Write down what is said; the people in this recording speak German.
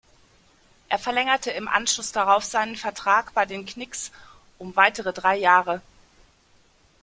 Er verlängerte im Anschluss darauf seinen Vertrag bei den Knicks um weitere drei Jahre.